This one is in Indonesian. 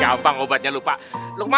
apa mami kalau sudah lupa